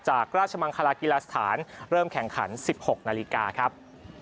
จากราชมังคลากีฬาสถานเริ่มแข่งขัน๑๖นาฬิกาครับ